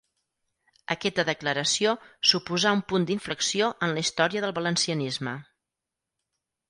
Aquesta Declaració suposà un punt d'inflexió en la història del valencianisme.